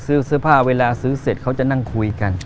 ซื้อเสื้อผ้าเวลาซื้อเสร็จเขาจะนั่งคุยกัน